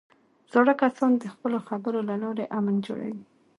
زاړه کسان د خپلو خبرو له لارې امن جوړوي